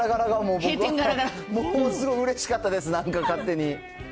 僕もすごいうれしかったです、なんか勝手に。